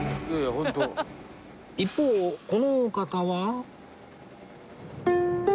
一方このお方は？